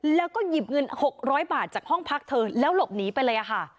แล้วก็หยิบเงิน๖๐๐บาทจากห้องพักเธอแล้วหลบหนีไปเลยค่ะ